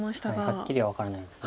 はっきりは分からないです。